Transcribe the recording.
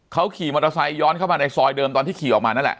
เขาขี่มอเตอร์ไซค์ย้อนเข้ามาในซอยเดิมตอนที่ขี่ออกมานั่นแหละ